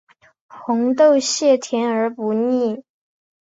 红豆馅甜而不腻